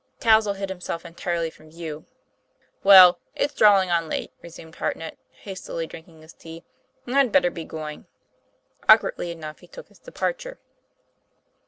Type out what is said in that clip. Touzle hid himself entirely from view. "Well, it's drawing on late," resumed Hartnett, hastily drinking his tea, "and I'd better be going." Awkwardly enough he took his departure.